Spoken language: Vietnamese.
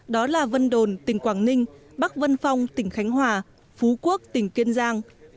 đó là vân đồn tỉnh quảng ninh bắc vân phong tỉnh khánh hòa phú quốc tỉnh kiên giang